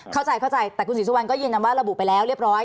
เข้าใจเข้าใจแต่คุณศรีสุวรรณก็ยืนยันว่าระบุไปแล้วเรียบร้อย